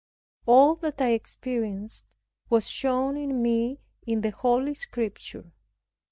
All that I experienced was shown me in the Holy Scripture.